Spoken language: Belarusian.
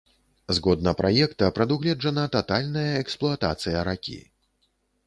Згодна праекта, прадугледжана татальная эксплуатацыя ракі.